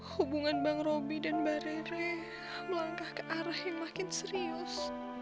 hubungan bang roby dan mbak rere melangkah ke arah yang makin serius